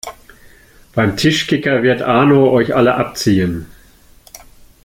Beim Tischkicker wird Arno euch alle abziehen!